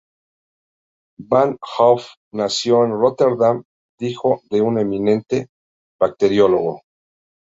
Van 't Hoff nació en Róterdam, hijo de un eminente bacteriólogo.